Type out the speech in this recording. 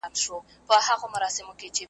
وخت نا وخته د خپل حق کوي پوښتنه .